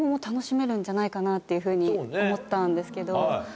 んじゃないかなっていうふうに思ったんですけど。